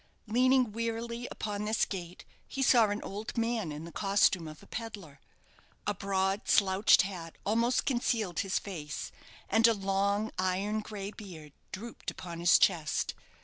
Leaning wearily upon this gate, he saw an old man in the costume of a pedlar. A broad, slouched hat almost concealed his face, and a long iron grey beard drooped upon his chest.